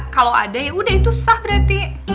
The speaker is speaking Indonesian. kalo ada yaudah itu sah berarti